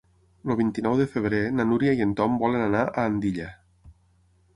El vint-i-nou de febrer na Núria i en Tom volen anar a Andilla.